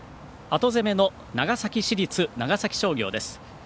後攻めの長崎市立長崎商業です。